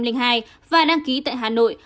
xe máy đã đăng ký tại hà nội